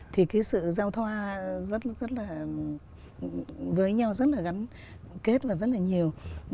thì cái sự giao thoa với nhau rất là gắn kết và rất là nhiều